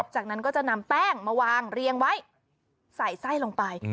จากนั้นก็จะนำแป้งมาวางเรียงไว้ใส่ไส้ลงไป